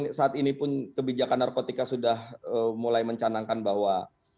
ini saat ini pun kebijakan narkotika sudah mulai mencanangkan bahwa